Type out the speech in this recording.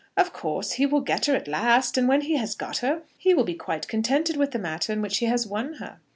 "Of course, he will get her at last; and when he has got her, he will be quite contented with the manner in which he has won her.